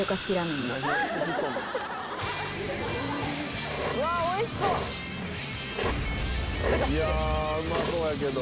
いやうまそうやけど。